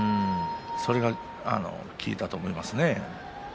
それが効いたと思います。